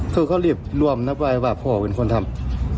คือเขารีบรวมนับไว้ว่าพ่อเป็นคนทำ